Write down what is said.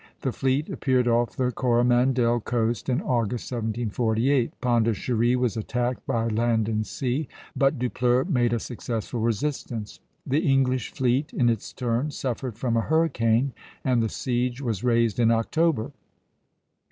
The fleet appeared off the Coromandel coast in August, 1748. Pondicherry was attacked by land and sea, but Dupleix made a successful resistance. The English fleet in its turn suffered from a hurricane, and the siege was raised in October.